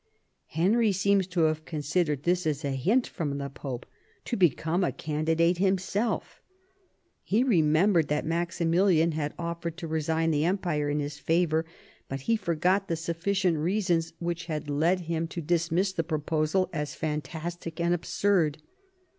Henry seems to have considered this as a hint from the Pope to become a candidate himself. He remembered that Maximilian had offered to resign the empire in his favour, but he forgot the sufficient reasons which had led him to 64 THOMAS WOLSEY chap. dismiss the proposal as fantastic and absurd.